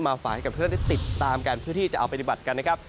ฝากให้กับเพื่อนได้ติดตามกันเพื่อที่จะเอาปฏิบัติกันนะครับ